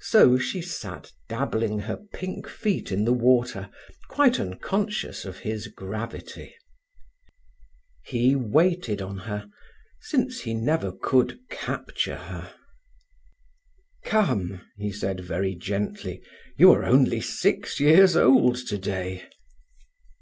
So she sat dabbling her pink feet in the water, quite unconscious of his gravity. He waited on her, since he never could capture her. "Come," he said very gently. "You are only six years old today."